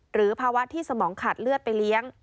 หรือภาวะที่สมองขาดเลือดไปเลี้ยง